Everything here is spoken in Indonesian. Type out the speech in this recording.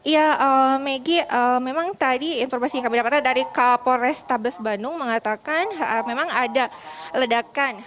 ya megi memang tadi informasi yang kami dapatkan dari kapol restabes bandung mengatakan memang ada ledakan